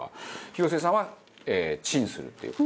広末さんはチンするっていう。